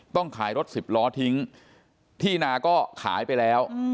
ต้องขายรถสิบล้อทิ้งที่นาก็ขายไปแล้ว